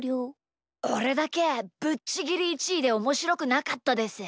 おれだけぶっちぎり１いでおもしろくなかったです。